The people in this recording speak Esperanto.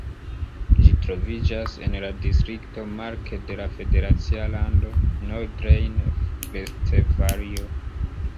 Ĝi troviĝas en la distrikto Mark de la federacia lando Nordrejn-Vestfalio.